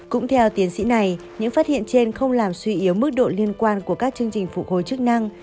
cũng theo tiến sĩ này những phát hiện trên không làm suy yếu mức độ liên quan của các chương trình phục hồi chức năng